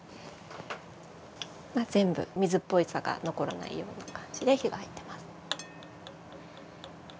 全部水っぽさが残らないような感じで火が入ってます。